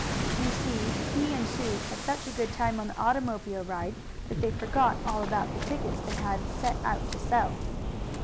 You see he and Sue had such a good time on the automobile ride that they forgot all about the tickets they had set out to sell.